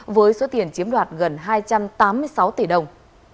với số tiền chiếm đoạt gần hai trăm tám mươi sáu tỷ đồng